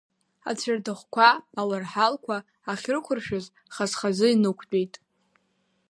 Ацәардӷәқәа, ауарҳалқәа ахьрықәыршәыз, хаз-хазы инықәтәеит.